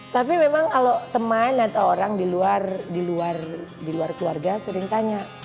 tapi memang kalau teman atau orang di luar keluarga sering tanya